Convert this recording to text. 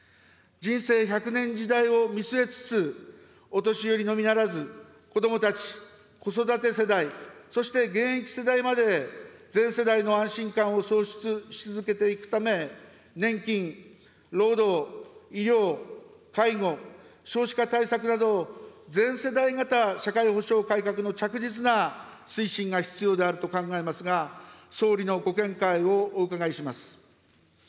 人生１００年時代を見据えつつ、お年寄りのみならず、子どもたち、子育て世代、そして現役世代まで、全世代の安心感を創出し続けていくため、年金、労働、医療、介護、少子化対策など、全世代型社会保障改革の着実な推進が必要であると考えますが、総理のご見解をお伺いします。